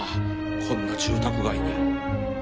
こんな住宅街に